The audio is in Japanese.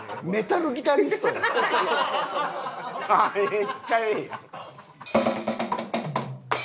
めっちゃいい。